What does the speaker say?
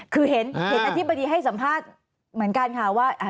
คือเห็นอธิบดีให้สัมภาษณ์เหมือนกันค่ะว่า